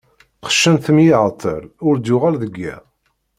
Qeccen-t mi iεeṭṭel ur d-yuɣal deg yiḍ.